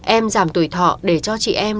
em giảm tuổi thọ để cho chị em